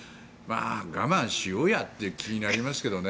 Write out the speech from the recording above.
我慢しようやって気になりますけどね。